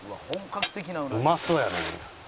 うまそうやね。